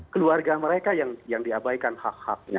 keluarga mereka yang diabaikan hak haknya